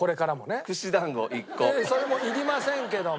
それもいりませんけども。